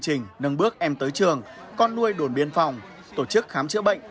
trình nâng bước em tới trường con nuôi đồn biên phòng tổ chức khám chữa bệnh